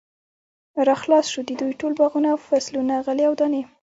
را خلاص شو، د دوی ټول باغونه او فصلونه، غلې او دانې